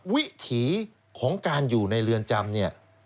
วิถีของการอยู่ในเรือนจำเนี่ย